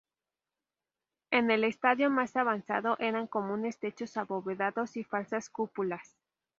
En el estadio más avanzado, eran comunes techos abovedados y falsas cúpulas.